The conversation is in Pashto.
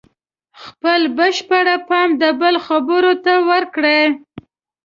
خپل بشپړ پام د بل خبرو ته ورکړئ.